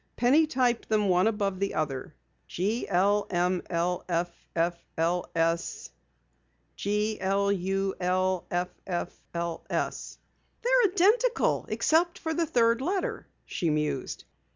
Penny typed them one above the other. GLMLFFLS GLULFFLS "They're identical except for the third letter," she mused.